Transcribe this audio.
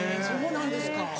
そうなんですか。